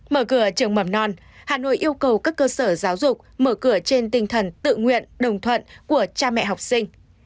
mở cửa trường mầm non hà nội yêu cầu các cơ sở giáo dục mở cửa trên tinh thần tự nguyện đồng thuận của cha mẹ học sinh